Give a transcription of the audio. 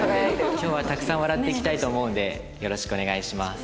今日はたくさん笑っていきたいと思うんでよろしくお願いします。